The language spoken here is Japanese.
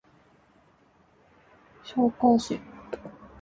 紹興酒